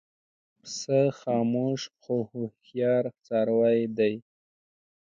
پسه خاموش خو هوښیار څاروی دی.